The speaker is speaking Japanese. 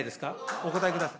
お答えください。